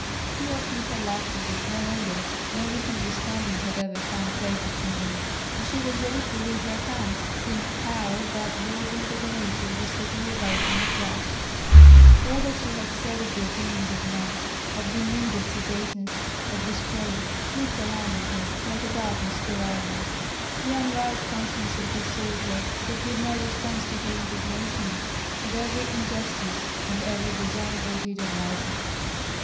Here Kmita laughed as if no anger, no misunderstanding, had ever found place between them; and she was ready to wring her hands, seeing how that whirlwind of a nature was slipping away from her grasp. All that she had said of the opinions of men, of the need of sedateness, of disgrace, slipped along on him like a dart on steel armor. The unroused conscience of this soldier could give no response to her indignation at every injustice and every dishonorable deed of license.